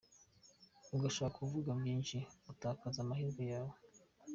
Ugashaka kuvuga byinshi, uratakaza amahirwe yawe.